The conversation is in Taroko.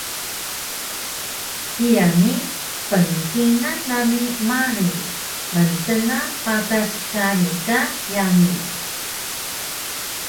Kiya ni pngkingal nami marig mtna patas kari ka yami